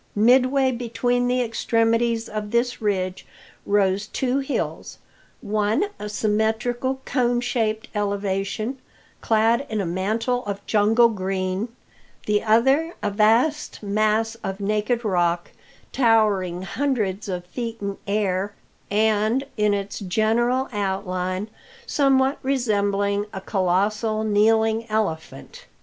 Midway between the extremities of this ridge rose two hills: one a symmetrical, cone shaped elevation, clad in a mantle of jungle green; the other a vast mass of naked rock, towering hundreds of feet in air, and in its general outline somewhat resembling a colossal kneeling elephant.